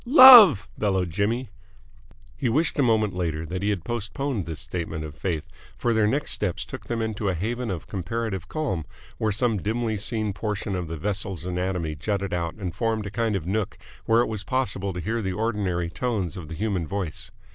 "Love!" bellowed Jimmy. He wished a moment later that he had postponed this statement of faith, for their next steps took them into a haven of comparative calm, where some dimly seen portion of the vessel's anatomy jutted out and formed a kind of nook where it was possible to hear the ordinary tones of the human voice.